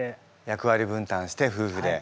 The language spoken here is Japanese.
役割分担してふうふで。